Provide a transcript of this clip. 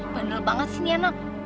bandel banget ini anak